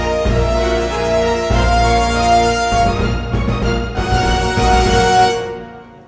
saya tidak sadar